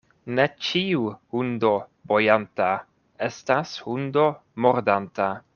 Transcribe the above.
Ne ĉiu hundo bojanta estas hundo mordanta.